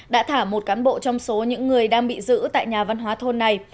đã thả một cán bộ trong số những người đang bị giữ tại nhà văn hóa thôn này